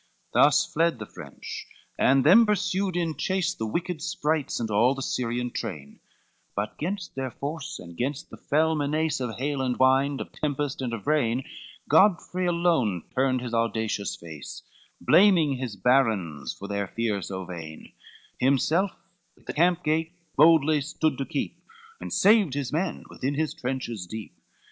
CXXI Thus fled the French, and then pursued in chase The wicked sprites and all the Syrian train: But gainst their force and gainst their fell menace Of hail and wind, of tempest and of rain, Godfrey alone turned his audacious face, Blaming his barons for their fear so vain, Himself the camp gate boldly stood to keep, And saved his men within his trenches deep.